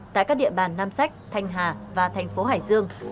tại các địa bàn nam sách thanh hà và thành phố hải dương